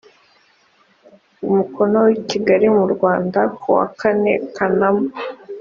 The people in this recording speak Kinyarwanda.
umukono i kigali mu rwanda ku wa kane kanama